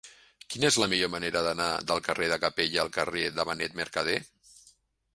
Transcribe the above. Quina és la millor manera d'anar del carrer de Capella al carrer de Benet Mercadé?